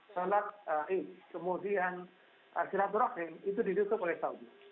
sholat eid kemudian arsiratul rahim itu ditutup oleh saudi